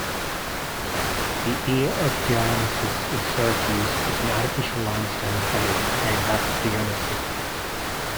The Ear of Dionysius in Syracuse is an artificial limestone cave named after Dionysius.